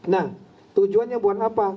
nah tujuannya buat apa